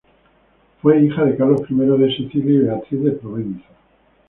Fue hija de Carlos I de Sicilia y Beatriz de Provenza.